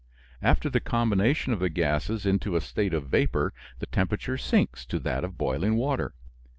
After the combination of the gases into a state of vapor the temperature sinks to that of boiling water.